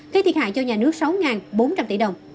gây thiệt hại cho nhà nước sáu bốn trăm linh tỷ đồng